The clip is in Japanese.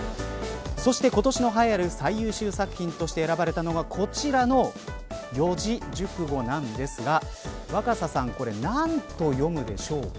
そして、今年の映えある最優秀作品として選ばれたのはこちらの四字熟語なんですが若狭さん、何と読むでしょうか。